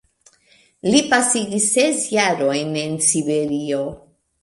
Li pasigis ses jarojn en Siberio.